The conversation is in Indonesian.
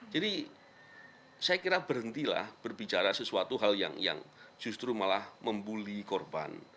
jadi saya kira berhentilah berbicara sesuatu hal yang justru malah membuli korban